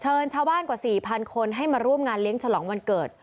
ชาวบ้านกว่า๔๐๐คนให้มาร่วมงานเลี้ยงฉลองวันเกิด